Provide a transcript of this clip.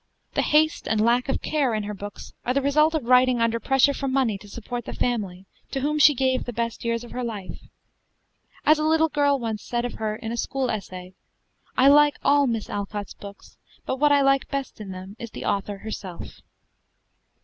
The haste and lack of care in her books are the result of writing under pressure for money to support the family, to whom she gave the best years of her life. As a little girl once said of her in a school essay, "I like all Miss Alcott's books; but what I like best in them is the author herself."